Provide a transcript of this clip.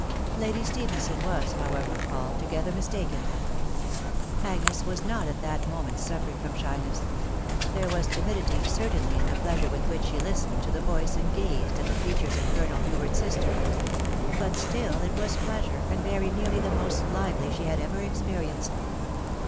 Lady Stephenson was, however, altogether mistaken. ... Agnes was not at that moment suffering from shiness ; there was timidity certainly in the pleasure with which she listened to the voice and gazed at the features of Colonel Hubert' s sister; "but still it was pleasure, and very nearly the most lively she had ever experienced.